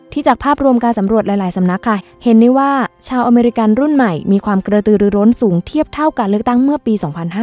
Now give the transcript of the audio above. จากภาพรวมการสำรวจหลายสำนักค่ะเห็นได้ว่าชาวอเมริกันรุ่นใหม่มีความกระตือหรือร้นสูงเทียบเท่าการเลือกตั้งเมื่อปี๒๕๕๙